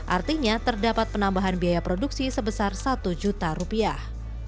artinya terdapat penambahan biaya produksi sebesar satu juta rupiah